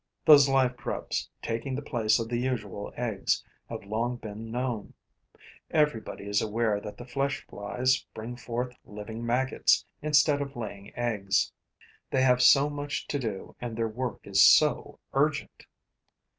Those live grubs, taking the place of the usual eggs, have long been known. Everybody is aware that the flesh flies bring forth living maggots, instead of laying eggs. They have so much to do and their work is so urgent!